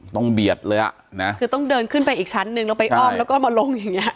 เบียดเลยอ่ะนะคือต้องเดินขึ้นไปอีกชั้นหนึ่งแล้วไปอ้อมแล้วก็มาลงอย่างเงี้